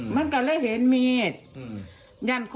มันกันเลยตื้นมันยาน